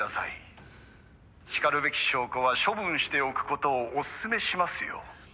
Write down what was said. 「しかるべき証拠は処分しておくことをおすすめしますよ」